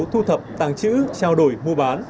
thu thập tàng trữ trao đổi mua bán